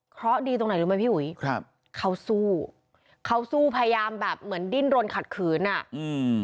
เพราะดีตรงไหนรู้ไหมพี่อุ๋ยครับเขาสู้เขาสู้พยายามแบบเหมือนดิ้นรนขัดขืนอ่ะอืม